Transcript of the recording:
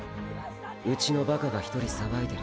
うちのバカがひとり騒いでる。